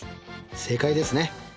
正解ですね。